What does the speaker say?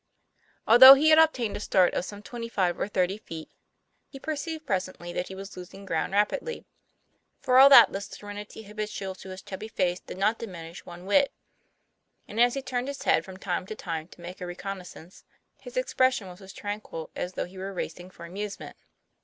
Although he had obtained a start of some twenty five or thirty feet, he perceived presently that he was los ing ground rapidly. For all that the serenity habit ual to his chubby face did not diminish one whit; and as he turned his head from time to time to make a reconnoissance, his expression was as tranquil as though he were racing for amusement.